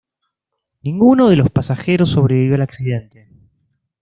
Ninguno de los pasajeros sobrevivió al accidente.